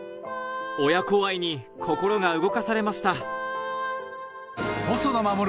親子愛に心が動かされました